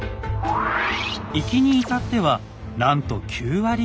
行きに至ってはなんと９割以上。